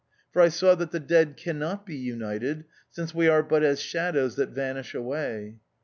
For I saw that the dead cannot be united, since we are but as shadows that vanish away.